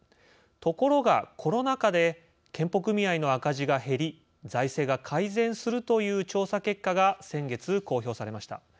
ところがコロナ禍で健保組合の赤字が減り財政が改善するという調査結果が先月公表されました。